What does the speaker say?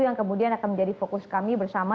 yang kemudian akan menjadi fokus kami bersama